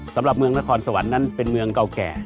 สำหรับเมืองนครสวรรค์นั้นเป็นเมืองเก่าแก่